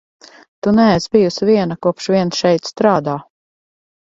Tu neesi bijusi viena, kopš vien šeit strādā.